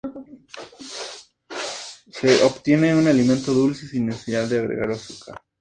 Se obtiene un alimento dulce, sin necesidad de agregar azúcar.